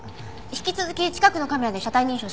引き続き近くのカメラで車体認証します。